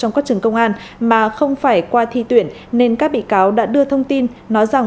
trong các trường công an mà không phải qua thi tuyển nên các bị cáo đã đưa thông tin nói rằng